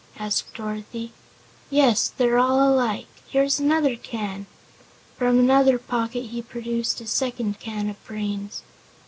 asked Dorothy. "Yes, they're all alike. Here's another can." From another pocket he produced a second can of brains.